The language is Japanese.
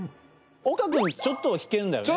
岡君ちょっとは弾けんだよね？